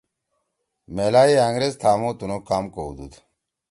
میلائے أنگریز تھامُو تنُو کام کؤدُود